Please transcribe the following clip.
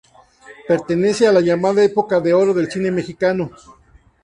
Pertenece a la llamada Época de oro del cine mexicano.